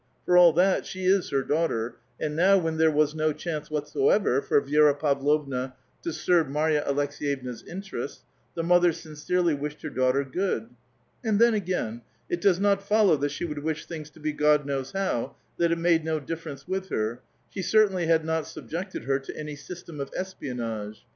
For all that, she is her daughter ; and now, when tliere was no chance whatsoever for Vi^ra Pavlovna to serve Marva Aleks^vevna's interests, the mother, sincerely wished her daughtiT good. And then, again, it does not follow that she would wish things to be God knows how, that it made no difference with her ; she certainly had not sub jected her to any system of espionage.